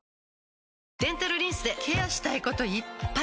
デンタルリンスでケアしたいこといっぱい！